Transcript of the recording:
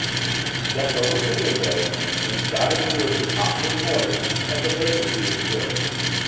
He stepped over to the window and shouted through it at the top of his voice that the vacancy was filled.